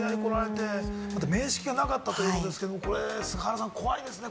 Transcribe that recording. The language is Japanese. また面識がなかったということですけれども、菅原さん、怖いですね